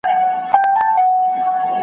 خپل خوښۍ د بلي یوې لمن کي اچولو څخه